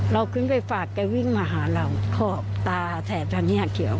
เราขึ้นไปฝากแกวิ่งมาหาเราขอบตาแถบทางเฮียเขียว